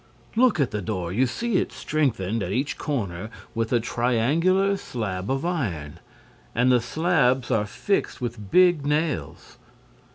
Look at the door. You see it's strengthened, at each corner, with a triangular slab of iron; and the slabs are fixed with big nails.